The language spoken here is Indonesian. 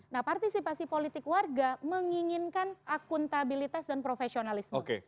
nah partisipasi politik warga menginginkan akuntabilitas dan profesionalisme